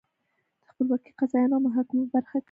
د خپلواکو قاضیانو او محاکمو په برخه کې وو